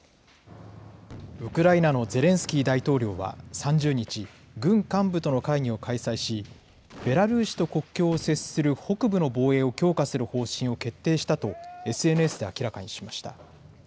ウクライナのゼレンスキー大統領は３０日、軍幹部との会議を開催し、ベラルーシと国境を接する北部の防衛を強化する方針を決定したとＳＮＳで明らかにしました。